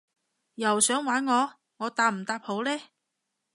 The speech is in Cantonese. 又想玩我？我答唔答好呢？